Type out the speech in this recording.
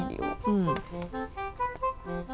うん。